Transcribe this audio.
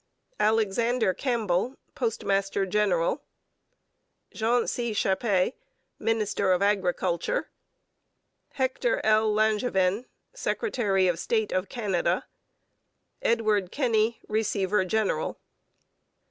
ALEXANDER CAMPBELL, Postmaster General. JEAN C. CHAPAIS, Minister of Agriculture. HECTOR L. LANGEVIN, Secretary of State of Canada. EDWARD KENNY, Receiver General.